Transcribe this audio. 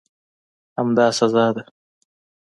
همدا سزا ده.